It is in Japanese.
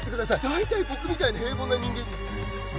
大体僕みたいな平凡な人間に無理です！